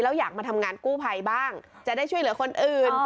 แล้วอยากมาทำงานกู้ภัยบ้างจะได้ช่วยเหลือคนอื่น